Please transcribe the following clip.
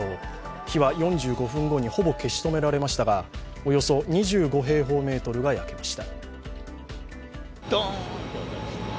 火は４５分後にほぼ消し止められましたがおよそ２５平方メートルが焼けました。